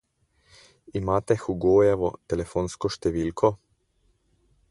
Imate Hugojevo telefonsko številko?